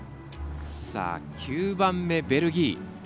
９番目、ベルギー。